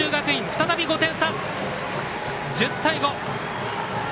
再び５点差、１０対５。